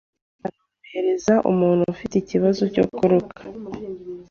ikanorohereza umuntu ufite ikibazo cyo kuruka